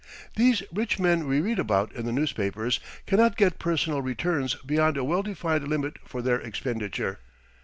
These rich men we read about in the newspapers cannot get personal returns beyond a well defined limit for their expenditure.